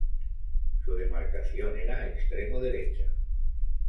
Su demarcación era extremo derecha.